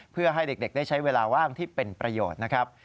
เพื่อให้เด็กได้ใช้เวลาว่างที่เป็นประโยชน์นะครับ